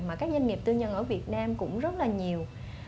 mà các doanh nghiệp tư nhân ở việt nam cũng rất là nhiều